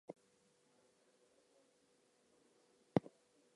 The song "Believe" was scheduled to be the third single but was canceled.